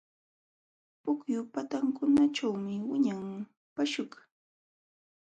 Pukyu patankunaćhuumi wiñan paśhukaq.